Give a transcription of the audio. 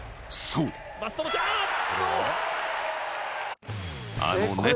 そう。